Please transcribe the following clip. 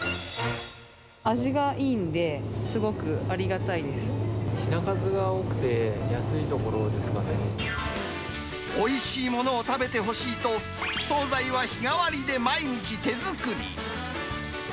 味がいいんで、すごくありが品数が多くて、安いところでおいしいものを食べてほしいと、総菜は日替わりで毎日手作り。